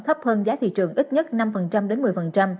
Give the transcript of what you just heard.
thấp hơn giá thị trường ít nhất năm đến một mươi